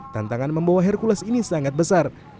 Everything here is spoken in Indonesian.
tantangan membawa hercules ini sangat besar